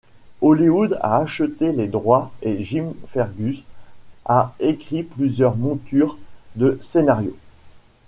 Hollywood a acheté les droits et Jim Fergus a écrit plusieurs moutures de scénario.